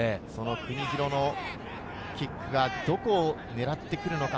国広のキックはどこを狙ってくるんでしょうか。